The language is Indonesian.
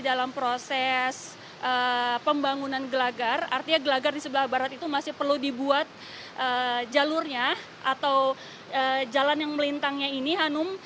dalam proses pembangunan gelagar artinya gelagar di sebelah barat itu masih perlu dibuat jalurnya atau jalan yang melintangnya ini hanum